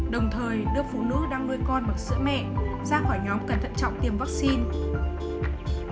đồng thời đưa phụ nữ đang nuôi con bằng sữa mẹ ra khỏi nhóm cẩn thận trọng tiêm vaccine